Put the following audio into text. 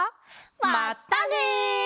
まったね！